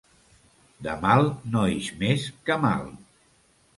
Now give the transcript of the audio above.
Del mal no ix més que mal.